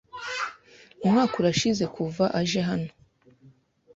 Umwaka urashize kuva aje hano.